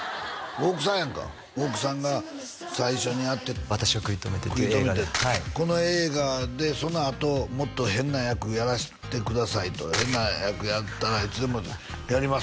大九さんやんか大九さんが最初に会って「私をくいとめて」って映画ではいこの映画でそのあと「もっと変な役やらしてください」と「変な役やったらいつでもやります」